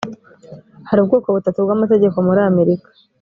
hari ubwoko butatu bw amategeko muri amerika